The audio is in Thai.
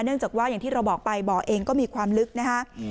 จากว่าอย่างที่เราบอกไปบ่อเองก็มีความลึกนะฮะ